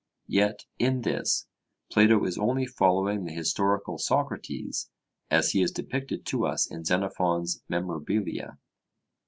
Yet, in this, Plato is only following the historical Socrates as he is depicted to us in Xenophon's Memorabilia.